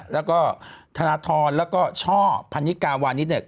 และก็ธานาทรและก็ช่อพันธิกาวานิทเนี่ย